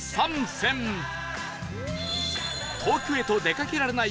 遠くへと出かけられない